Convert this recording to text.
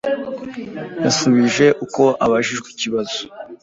Yasubije uko abajijwe ikibazo